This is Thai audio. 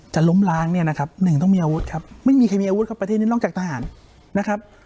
ล้มล้างเนี่ยนะครับหนึ่งต้องมีอาวุธครับไม่มีใครมีอาวุธครับประเทศนี้นอกจากทหารนะครับ